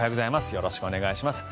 よろしくお願いします。